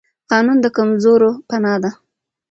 قانون د کمزورو پناه ده